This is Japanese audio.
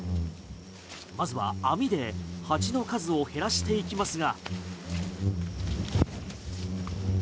まずは網で蜂の数を減らしていきますが。